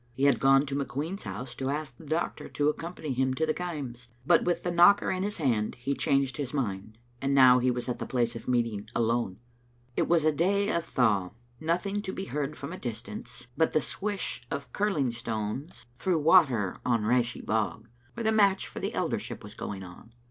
He had gone to McQueen's house to ask the doctor to accompany him to the Kaims, but with the knocker in his hand he changed his mind, and now he was at the place of meet ing alone. It was a day of thaw, nothing to be heard ticom a distaQqe biit the swish of curlin^ ston^s through Digitized by VjOOQ IC 144 QDe Xiftle Ainteter. water on Rashie bog, where the match for the eldership was going on.